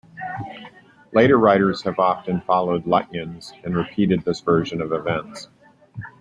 Later writers have often followed Lutyens and repeated this version of events.